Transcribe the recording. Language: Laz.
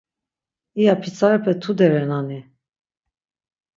İya pitsarepe tude renani?